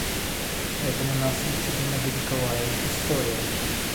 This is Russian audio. Этому нас учит многовековая история.